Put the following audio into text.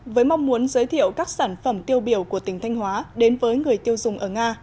với mong muốn giới thiệu các sản phẩm tiêu biểu của tỉnh thanh hóa đến với người tiêu dùng ở nga